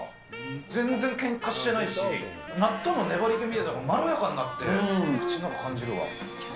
全然けんかしてないし、納豆の粘りけでまろやかになって、口の中感じるわ。